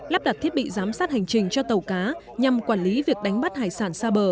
lắp đặt thiết bị giám sát hành trình cho tàu cá nhằm quản lý việc đánh bắt hải sản xa bờ